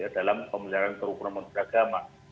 dalam pemeliharaan kerubunan masjid agama